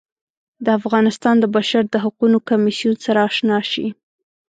د افغانستان د بشر د حقونو کمیسیون سره اشنا شي.